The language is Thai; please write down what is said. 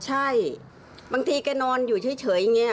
ใช่บางทีแกนอนอยู่เฉยอย่างนี้